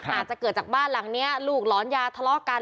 อาจจะเกิดจากบ้านหลังนี้ลูกหลอนยาทะเลาะกัน